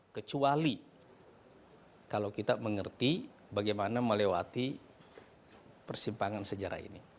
kecuali kalau kita mengerti bagaimana melewati persimpangan sejarah ini